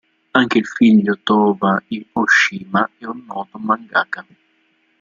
Anche il figlio Towa Ōshima è un noto mangaka.